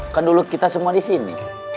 kan dulu kita semua disini